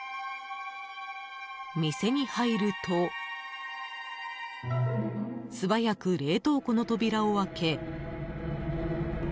［店に入ると素早く冷凍庫の扉を開け］